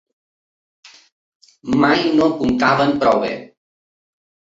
Mai no apuntaven prou bé